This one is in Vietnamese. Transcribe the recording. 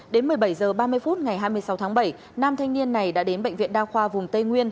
đến một mươi bảy h ba mươi phút ngày hai mươi sáu tháng bảy nam thanh niên này đã đến bệnh viện đa khoa vùng tây nguyên